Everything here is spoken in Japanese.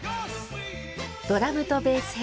ドラムとベース編